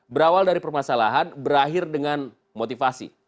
berawal dari permasalahan berakhir dengan motivasi